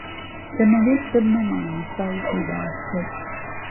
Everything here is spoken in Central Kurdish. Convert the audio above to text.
دەمەوێت ببمە مامۆستایەکی باشتر.